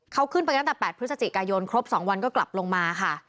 เขาขึ้นไปตั้งแต่๘พฤศจิกายนครบ๒วันก็กลับลงมาค่ะ